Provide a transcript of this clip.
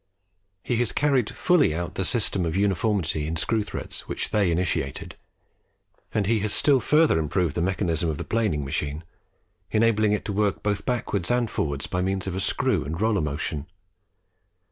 He has carried fully out the system of uniformity in Screw Threads which they initiated; and he has still further improved the mechanism of the planing machine, enabling it to work both backwards and forwards by means of a screw and roller motion.